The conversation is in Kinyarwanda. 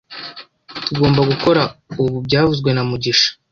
Tugomba gukora ubu byavuzwe na mugisha